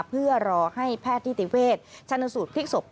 เพื่อรอให้แพทย์นิติเวชชนสูตรพลิกศพ